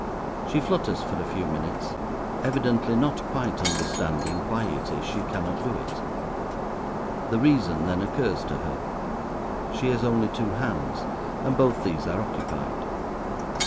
She flutters for a few minutes, evidently not quite understanding why it is she cannot do it. The reason then occurs to her: she has only two hands and both these are occupied.